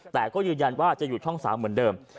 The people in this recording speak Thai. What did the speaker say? แต่ก็ยืนยันว่าจะอยู่ช่อง๓เหมือนเดิม